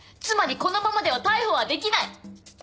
つまりこのままでは逮捕はできない。